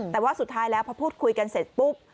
แต่ว่าสุดท้ายแล้วพอพูดคุยกันเสร็จปุ๊บ